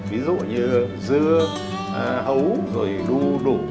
ví dụ như dưa ấu rồi đu đủ